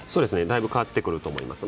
だいぶ変わってくると思います。